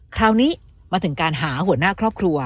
คราวนี้มาถึงการหาหัวหน้าครอบครัว